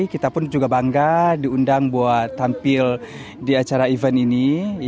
kita pun juga bangga diundang buat tampil di acara event ini